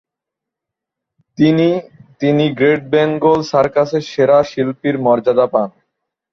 তিনি তিনি গ্রেট বেঙ্গল সার্কাসের সেরা শিল্পীর মর্যাদা পান।